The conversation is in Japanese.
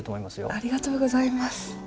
ありがとうございます。